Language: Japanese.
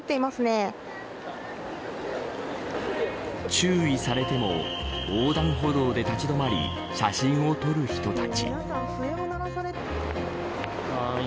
注意されても横断歩道で立ち止まり写真を撮る人たち。